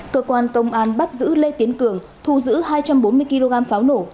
cơ quan công an bắt giữ lê tiến cường thu giữ hai trăm bốn mươi kg pháo nổ